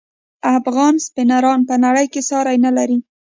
افغان سپینران په نړۍ کې ساری نلري.